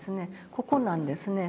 ここなんですね。